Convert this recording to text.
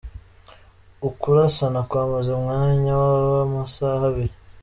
Ukurasana kwamaze umwanya wababa amasaha abiri.